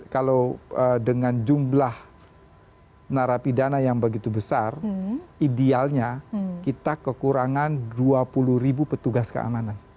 kalau dengan jumlah narapidana yang begitu besar idealnya kita kekurangan dua puluh ribu petugas keamanan